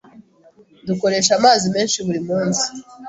Dukoresha amazi menshi buri munsi.